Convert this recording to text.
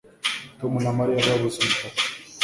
Tom na Mariya babuze umutaka